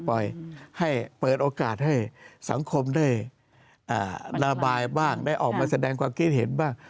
ปล่อยให้เปิดโอกาสให้สังคมได้ระบายบ้างได้ออกมาแสดงความคิดเห็นบ้าง